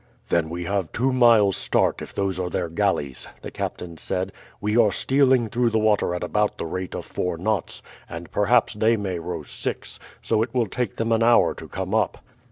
"Then we have two miles' start if those are their galleys," the captain said. "We are stealing through the water at about the rate of four knots, and perhaps they may row six, so it will take them an hour to come up."